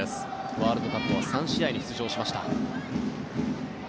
ワールドカップは３試合に出場しました。